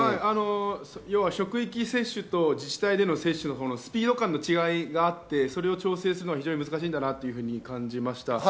職域接種と自治体での接種のスピード感の違いがあってそれを調整するのは非常に難しいんだなと感じました。